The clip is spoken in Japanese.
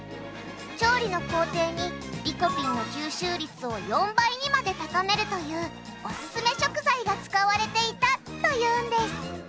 調理の工程にリコピンの吸収率を４倍にまで高めるというオススメ食材が使われていたというんです。